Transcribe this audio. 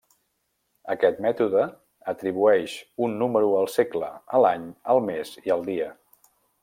Aquest mètode atribueix un número al segle, a l'any, al mes i al dia.